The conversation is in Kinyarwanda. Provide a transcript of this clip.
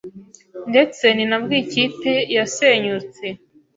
ndetse ni nabwo iyi kipe yasenyutse.